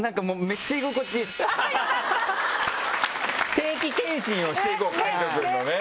定期健診をしていこう海人くんのね。